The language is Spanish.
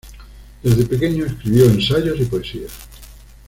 Desde pequeño escribió ensayos y poesías.